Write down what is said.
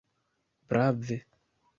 Brave!